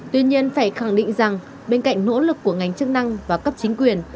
tuy nhiên phải khẳng định rằng bên cạnh nỗ lực của ngành chức năng và cấp chính quyền